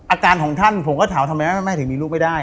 อาการของท่านผมก็ถามทำไมแม่ถึงมีลูกไม่ได้